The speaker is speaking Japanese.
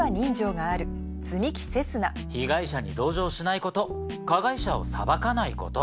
「被害者に同情しないこと加害者を裁かないこと」。